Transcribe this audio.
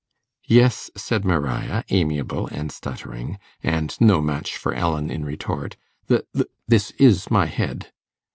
'Yes,' said Maria, amiable and stuttering, and no match for Ellen in retort; 'th th this is my head.